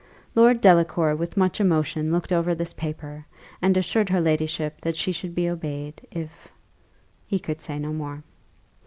Lord Delacour with much emotion looked over this paper, and assured her ladyship that she should be obeyed, if he could say no more.